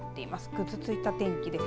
ぐずついた天気です。